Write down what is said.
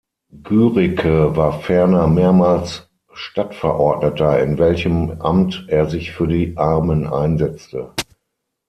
Guericke war ferner mehrmals Stadtverordneter, in welchem Amt er sich für die Armen einsetzte.